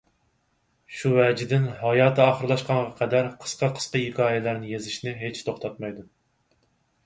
شۇ ۋەجىدىن، ھاياتى ئاخىرلاشقانغا قەدەر قىسقا-قىسقا ھېكايىلەرنى يېزىشنى ھېچ توختاتمايدۇ.